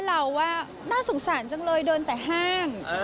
เราว่าน่าสงสารจังเลยเดินแต่ห้าง